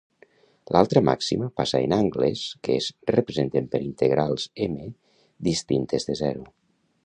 L'altra màxima passa en angles que es representen per integrals "m" distintes de zero.